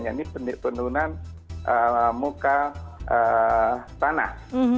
yaitu penurunan muka tanah